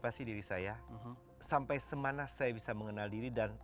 belajar jadi kuncinya itu adalah siapa sih diri saya sampai semana saya bisa mengenal diri dan